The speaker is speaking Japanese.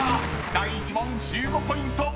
第１問１５ポイント］